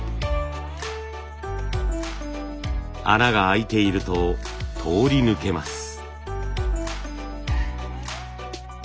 穴が開いていると通り抜けます。